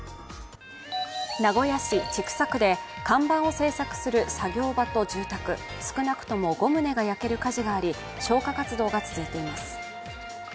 名古屋市千種区で看板を製作する作業場と住宅少なくとも５棟が焼ける火事があり消火活動が続いています。